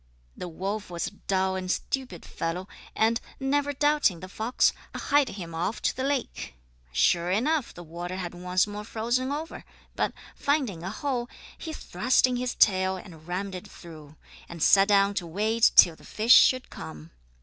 The wolf was a dull and stupid fellow and, never doubting the fox, hied him off to the lake. Sure enough the water had once more frozen over, but, finding a hole, he thrust in his tail and rammed it through, and sat down to wait till the fish should come.